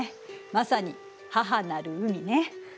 まさに母なる海ね。